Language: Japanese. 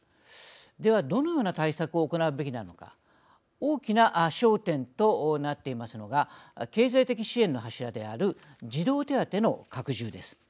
では、どのような対策を行うべきなのか大きな焦点となっていますのが経済的支援の柱である児童手当の拡充です。